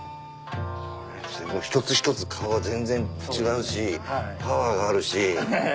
これ一つ一つ顔が全然違うしパワーがあるし。